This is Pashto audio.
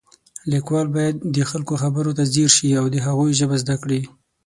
لیکوال باید د خلکو خبرو ته ځیر شي او د هغوی ژبه زده کړي